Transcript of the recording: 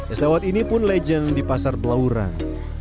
es dawat ini pun legend di pasar belauran